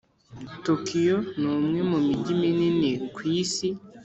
tokiyo ni umwe mu mijyi minini ku isi.